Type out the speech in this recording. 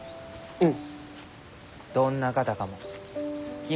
うん。